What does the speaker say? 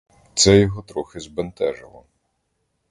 Це його трохи збентежило.